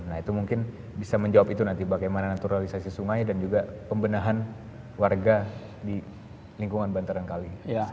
nah itu mungkin bisa menjawab itu nanti bagaimana naturalisasi sungai dan juga pembenahan warga di lingkungan bantaran kali